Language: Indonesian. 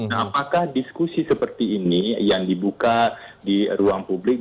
nah apakah diskusi seperti ini yang dibuka di ruang publik